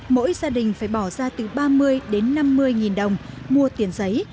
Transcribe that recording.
mỗi gia đình phải bỏ ra từ ba mươi đến năm mươi nghìn đồng mua tiền giấy